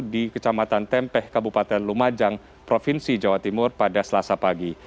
di kecamatan tempeh kabupaten lumajang provinsi jawa timur pada selasa pagi